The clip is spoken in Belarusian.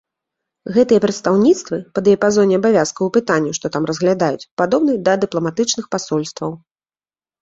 Гэтыя прадстаўніцтвы, па дыяпазоне абавязкаў і пытанняў, што там разглядаюць, падобны да дыпламатычных пасольстваў.